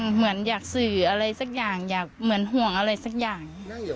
เหมือนอยากสื่ออะไรสักอย่างอยากเหมือนห่วงอะไรสักอย่าง